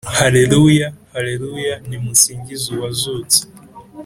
Haleluya, Haleluya, Nimusingiz’Uwazutse.